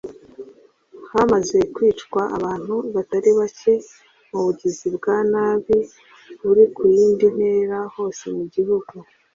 hamaze kwicwa abantu batari bacye mu bugizi bwa nabi buri ku yindi ntera hose mu gihugu